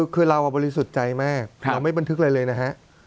คือเราบริสุทธิ์ใจมากเราไม่บันทึกอะไรเลยนะฮะ